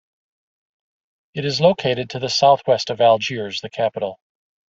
It is located to the southwest of Algiers, the capital.